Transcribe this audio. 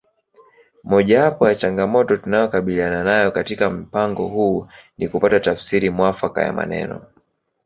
Mojawapo ya changamoto tunayokabiliana nayo katika mpango huu ni kupata tafsiri mwafaka ya maneno